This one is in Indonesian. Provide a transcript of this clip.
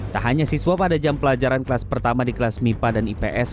tak hanya siswa pada jam pelajaran kelas pertama di kelas mipa dan ips